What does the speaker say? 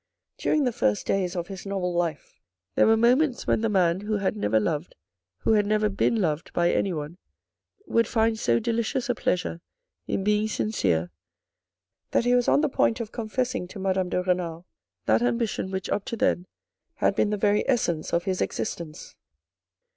During the first days of his novel life there were moments when the man who had never loved, who had never been loved by anyone, would find so delicious a pleasure in being sincere, that he was on the point of confessing to Madame de Renal that ambition which up to then had been the very essence of his existence.